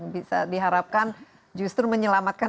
bisa diharapkan justru menyelamatkan